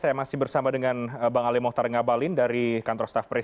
saya masih bersama dengan bang ali mohtar ngabalin dari kantor staf presiden